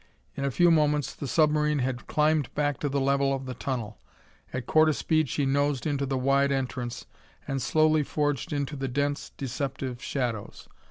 In a few moments the submarine had climbed back to the level of the tunnel. At quarter speed she nosed into the wide entrance, and slowly forged into the dense, deceptive shadows.